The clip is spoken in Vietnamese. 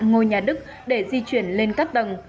ngôi nhà đức để di chuyển lên các tầng